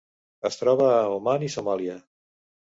Es troba a Oman i Somàlia.